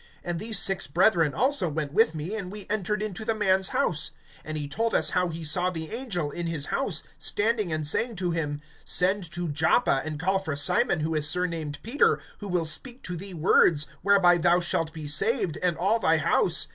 And these six brethren also went with me, and we entered into the man's house. (13)And he told us how he saw the angel in his house, standing and saying to him: Send to Joppa, and call for Simon who is surnamed Peter; (14)who will speak to thee words, whereby thou shalt be saved, and all thy house.